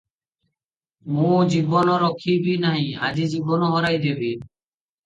ମୁଁ ଜୀବନ ରଖିବି ନାହିଁ, ଆଜି ଜୀବନ ହରାଇ ଦେବି ।"